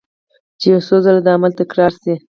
چې يو څو ځله دا عمل تکرار شي